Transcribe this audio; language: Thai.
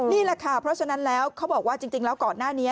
นี่แหละค่ะเพราะฉะนั้นแล้วเขาบอกว่าจริงแล้วก่อนหน้านี้